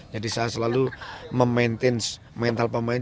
jadi saya selalu memaintain mental pemain